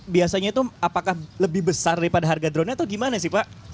biasanya itu apakah lebih besar daripada harga dronenya atau gimana sih pak